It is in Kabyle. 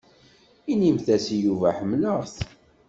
Inimt-as i Yuba ḥemmleɣ-t.